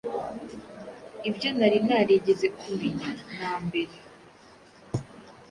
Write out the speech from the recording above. Ibyo nari narigeze kumenya na mbere